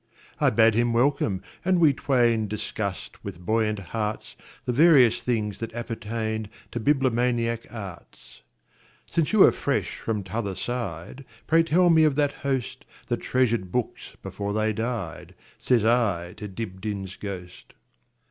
I bade him welcome, and we twainDiscussed with buoyant heartsThe various things that appertainTo bibliomaniac arts."Since you are fresh from t'other side, Pray tell me of that hostThat treasured books before they died,"Says I to Dibdin's ghost.